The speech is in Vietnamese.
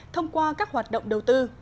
thông qua các hoạt động đầu tư